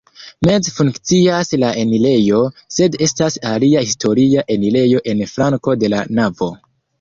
Meze funkcias la enirejo, sed estas alia historia enirejo en flanko de la navo.